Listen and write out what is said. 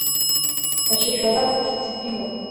Ачашәара дҭыҵит има.